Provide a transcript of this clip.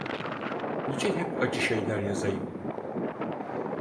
Niçin hep acı şeyler yazayım?